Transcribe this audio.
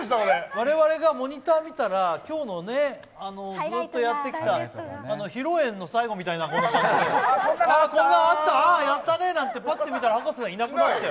我々がモニター見たら、今日のずっとやってきた披露宴の最後みたいな、こんなあった、ああやったねってぱっと見たら、葉加瀬さんがいなくなってて